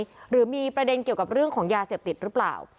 หรือมีประเด็นเกี่ยวกับเรื่องของยาเสพติดหรือเปล่า